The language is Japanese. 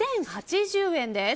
２０８０円です。